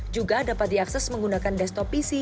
juga dapat diakses menggunakan desktop pc